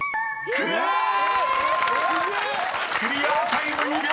［クリアタイム２秒０７！］